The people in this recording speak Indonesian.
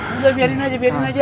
udah biarin aja